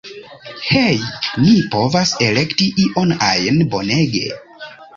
Hej' ni povas elekti ion ajn, bonege